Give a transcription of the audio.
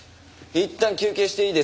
いったん休憩していいですか？